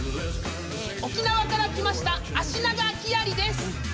沖縄から来ましたアシナガキアリです！